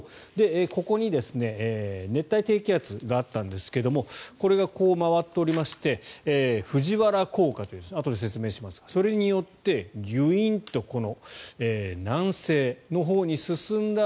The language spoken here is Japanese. ここに熱帯低気圧があったんですがこれが、こう回っておりまして藤原効果というあとで説明しますがそれによって、ギュインと南西のほうに進んだ